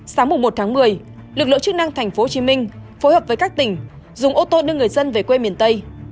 sáng một tháng một mươi lực lượng chức năng tp hcm phối hợp với các tỉnh dùng ô tô đưa người dân về quê miền tây